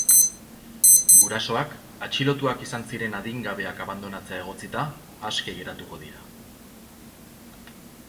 Gurasoak, atxilotuak izan ziren adingabeak abandonatzea egotzita, aske geratuko dira.